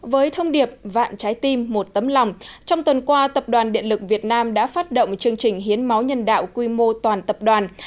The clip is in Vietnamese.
với thông điệp vạn trái tim một tấm lòng trong tuần qua tập đoàn điện lực việt nam đã phát động chương trình hiến máu nhân đạo quy mô toàn tập đoàn